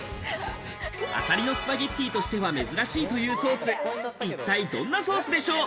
アサリのスパゲッティとしては珍しいというソース、一体どんなソースでしょう？